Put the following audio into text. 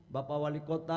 bapak wali kota